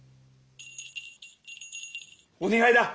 お願いだ！